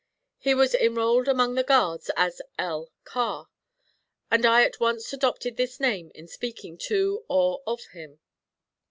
He was enrolled among the guards as L. Carr, and I at once adopted this name in speaking to or of him.